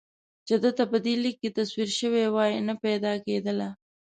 چې ده ته په دې لیک کې تصویر شوې وای نه پیدا کېدله.